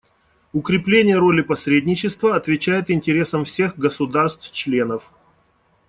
Укрепление роли посредничества отвечает интересам всех государств-членов.